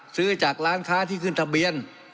ซื้อจากร้านค้าที่ขึ้นทะเบียน